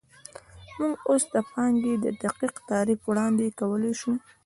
موږ اوس د پانګې دقیق تعریف وړاندې کولی شو